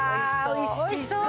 おいしそう！